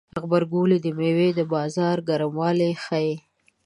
غبرګولی د میوو د بازار ګرموالی ښيي.